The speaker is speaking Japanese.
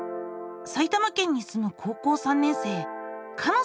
埼玉県に住む高校３年生かの。